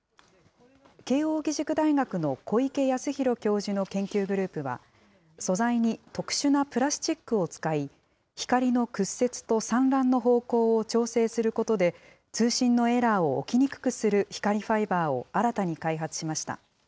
慶應義塾大学の小池康博教授の研究グループは、素材に特殊なプラスチックを使い、光の屈折と散乱の方向を調整することで、通信のエラーを起きにくくする光ファイバーを新たに開発しました。